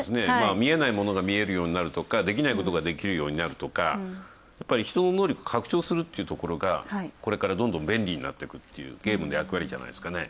見えないものが見えるようになるとかできないことができるようになるとか、人の能力を拡張するということがこれから、どんどん便利になっていくというゲームの役割じゃないですかね。